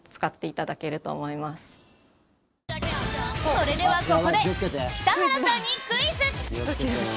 それではここで北原さんにクイズ！